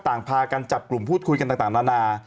พากันจับกลุ่มพูดคุยกันต่างนานา